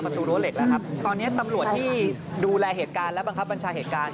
ประตูรั้วเหล็กแล้วครับตอนนี้ตำรวจที่ดูแลเหตุการณ์และบังคับบัญชาเหตุการณ์